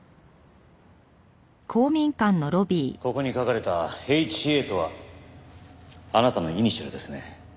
ここに書かれた「ＨＡ」とはあなたのイニシャルですね？